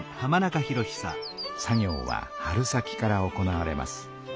作業は春先から行われます。